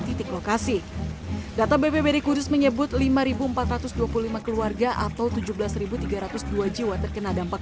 titik lokasi data bpbd kudus menyebut lima ribu empat ratus dua puluh lima keluarga atau tujuh belas tiga ratus dua jiwa terkena dampak